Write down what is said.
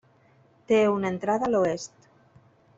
Té una entrada a l'oest.